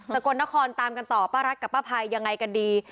กลนครตามกันต่อป้ารักกับป้าภัยยังไงกันดี